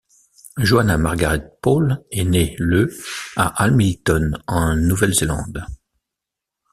Joanna Margaret Paul est née le à Hamilton en Nouvelle-Zélande.